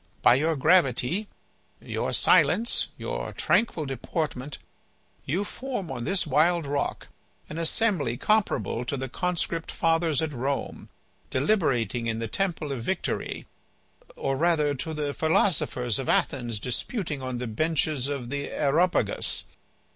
By your gravity, your silence, your tranquil deportment, you form on this wild rock an assembly comparable to the Conscript Fathers at Rome deliberating in the temple of Victory, or rather, to the philosophers of Athens disputing on the benches of the Areopagus.